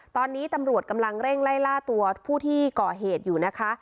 ตอนนี้ตำรวจกำลังเร่งไล่ล่าตัวผู้ที่ก่อเหตุอยู่นะคะ